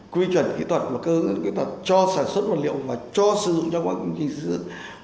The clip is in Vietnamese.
quy chuẩn kỹ thuật và cơ kỹ thuật cho sản xuất vật liệu mà cho sử dụng trong các công trình xây dựng